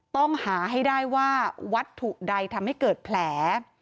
ต้องหาให้ได้ว่าวัตถุใดทำให้เกิดแผล